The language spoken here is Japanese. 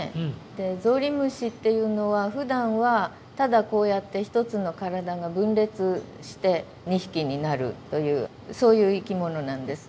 でゾウリムシっていうのはふだんはただこうやって一つの体が分裂して２匹になるというそういう生きものなんです。